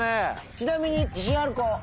ちなみに自信ある子？